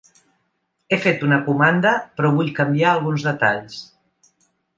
He fet una comanda però vull canviar alguns detalls.